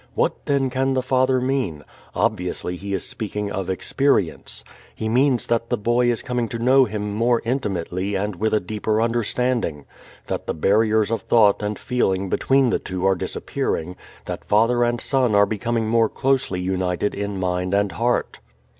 What then can the father mean? Obviously he is speaking of experience. He means that the boy is coming to know him more intimately and with deeper understanding, that the barriers of thought and feeling between the two are disappearing, that father and son are becoming more closely united in mind and heart.